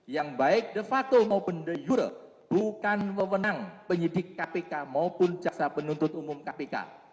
yang baik defato maupun de jure bukan memenang penyidik kpk maupun jaksa penuntut umum kpk